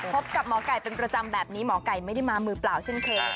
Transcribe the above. พบกับหมอไก่เป็นประจำแบบนี้หมอไก่ไม่ได้มามือเปล่าเช่นเคย